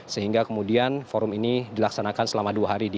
sehingga kemudian dipercaya dengan demokrasi yang diusung oleh negara negara delegasi ini